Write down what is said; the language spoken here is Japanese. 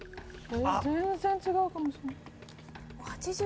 全然違うかもしれない。